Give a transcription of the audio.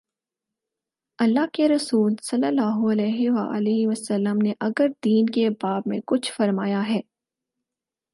اﷲ کے رسولﷺ نے اگر دین کے باب میں کچھ فرمایا ہے۔